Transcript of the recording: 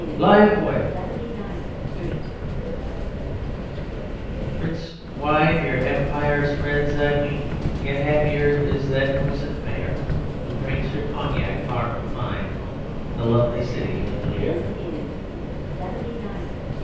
L'Envoy Prince, wide your Empire spreads, I ween, Yet happier is that moistened Mayor, Who drinks her cognac far from fine, The lovely city of Lierre.